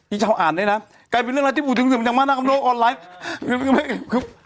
อีเช้าอ่านเลยนะกลายเป็นเรื่องราวที่ผู้ถึงถึงจากมาตรกับโลกออนไลฟ์